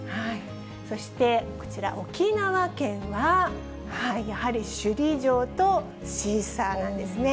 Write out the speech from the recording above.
そしてこちら、沖縄県は、やはり首里城とシーサーなんですね。